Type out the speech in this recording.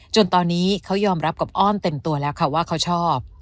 จนตอนนี้เขายอมรับกับอ้อมเต็มตัวแล้วค่ะว่าเขาชอบ